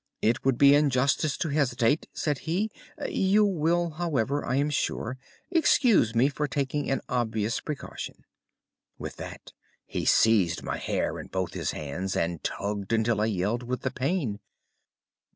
"'It would be injustice to hesitate,' said he. 'You will, however, I am sure, excuse me for taking an obvious precaution.' With that he seized my hair in both his hands, and tugged until I yelled with the pain.